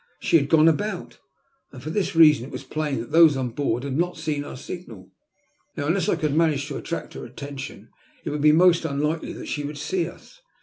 She had gone about, and for this reason it was plain that those on board had not seen our signal. Now, unless I could manage to attract her attention, it would be most unlikely that she would see us.